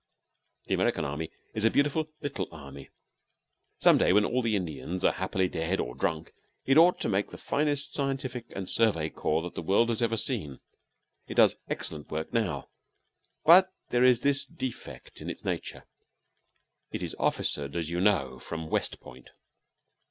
The American army is a beautiful little army. Some day, when all the Indians are happily dead or drunk, it ought to make the finest scientific and survey corps that the world has ever seen; it does excellent work now, but there is this defect in its nature: It is officered, as you know, from West Point.